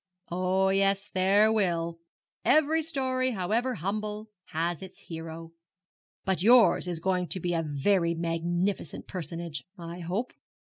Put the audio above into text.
'Oh, yes, there will! Every story, however humble, has its hero; but yours is going to be a very magnificent personage, I hope.'